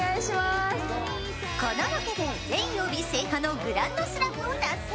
このロケで全曜日制覇のグランドスラムを達成。